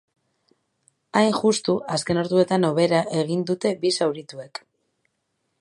Hain justu, azken orduetan hobera egin dute bi zaurituek.